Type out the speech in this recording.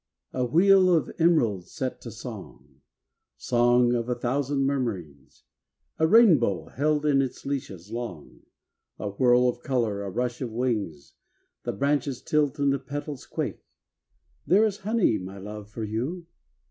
A wheel of emerald set to song, Song of a thousand murmurings; A rainbow held in its leashes long, A whirl of color, a rush of wings, The branches tilt and the petals quake ("There is honey, my love, for you!")